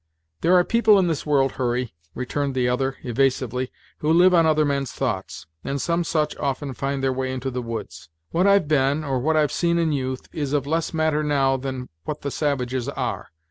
"There are people in this world, Hurry," returned the other, evasively, "who live on other men's thoughts; and some such often find their way into the woods. What I've been, or what I've seen in youth, is of less matter now than what the savages are.